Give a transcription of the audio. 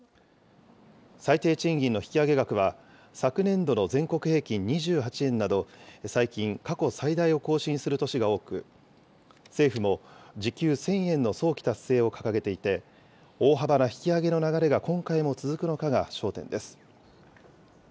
最低賃金の引き上げ額は、昨年度の全国平均２８円など、最近、過去最大を更新する年が多く、政府も時給１０００円の早期達成を掲げていて、大幅な引き上げの流れが今回も続くのかが焦点です。